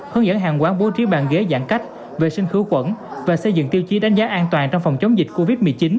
hướng dẫn hàng quán bố trí bàn ghế giãn cách vệ sinh khử khuẩn và xây dựng tiêu chí đánh giá an toàn trong phòng chống dịch covid một mươi chín